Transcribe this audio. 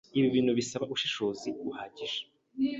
Ibi bintu bisaba ubushishozi buhagije